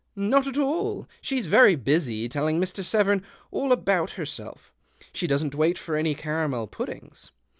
" Not at all, she's very busy, telling Mr. Severn all about herself. She doesn't wait for any caramel puddings.